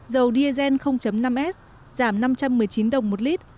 dầu diesel năm s giảm năm trăm một mươi chín đồng một lít